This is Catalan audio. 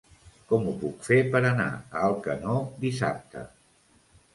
Com ho puc fer per anar a Alcanó dissabte?